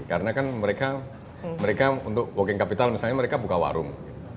karena kan mereka untuk walking capital misalnya mereka buka warung